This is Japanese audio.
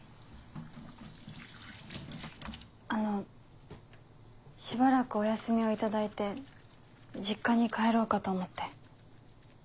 あのしばらくお休みを頂いて実家に帰ろうかと思って。